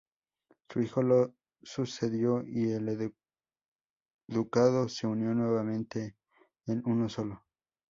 Su hijo lo sucedió y el ducado se unió nuevamente en uno solo.